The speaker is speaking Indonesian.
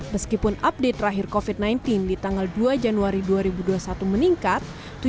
meskipun update terakhir covid sembilan belas di tanggal dua januari dua ribu dua puluh satu meningkat